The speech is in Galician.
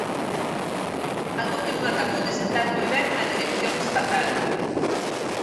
Algo que non acabou de sentar moi ben na dirección estatal.